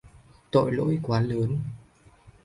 tội lỗi quá lớn